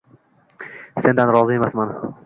sendan rozi emasman.